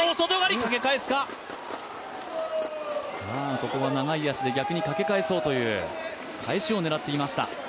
ここは長い脚で逆に掛け替えそうという、返しを狙っていました。